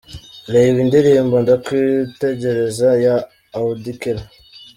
Reba indirimbo "Ndakwitegereza" ya Auddy Kelly.